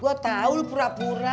gue tau lu pura pura